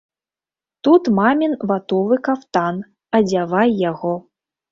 Тут мамін ватовы кафтан, адзявай яго.